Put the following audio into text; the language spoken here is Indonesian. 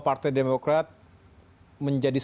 partai demokrat menjadi